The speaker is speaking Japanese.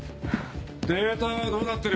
データはどうなってる！